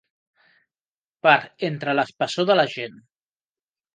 Per entre l'espessor de la gent.